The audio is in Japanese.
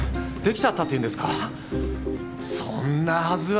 そんなはずは。